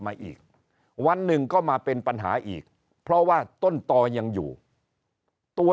มาอีกวันหนึ่งก็มาเป็นปัญหาอีกเพราะว่าต้นต่อยังอยู่ตัว